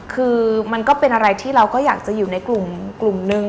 คือมันก็เป็นอะไรที่เราก็อยากจะอยู่ในกลุ่มนึง